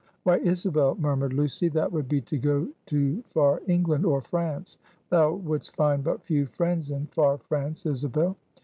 "Why, Isabel," murmured Lucy, "that would be to go to far England or France; thou wouldst find but few friends in far France, Isabel."